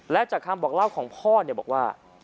และจากคำโบสถ์ของพ่อบอกว่า